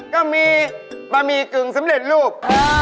ก็มีบะหมี่กึ่งสำเร็จรูป